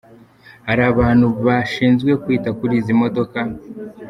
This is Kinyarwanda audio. Hari abantu bashinzwe kwita kuri izi modoka.